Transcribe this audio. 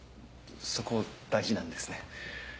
そこ大事なんですね。